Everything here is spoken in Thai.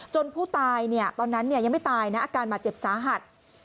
ผู้ตายตอนนั้นยังไม่ตายนะอาการบาดเจ็บสาหัส